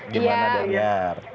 gimana dan niar